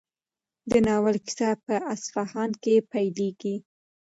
د ناول کیسه په اصفهان کې پیلېږي.